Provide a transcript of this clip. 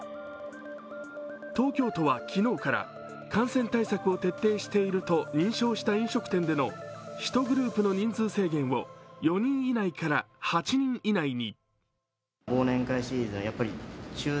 東京都は昨日から感染対策を徹底していると認証した飲食店での１グループの人数制限を４人以内から８人以内に。